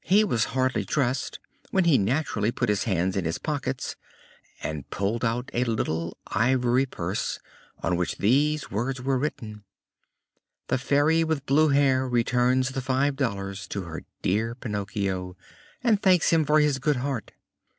He was hardly dressed when he naturally put his hands in his pockets and pulled out a little ivory purse on which these words were written: "The Fairy with blue hair returns the five dollars to her dear Pinocchio, and thanks him for his good heart."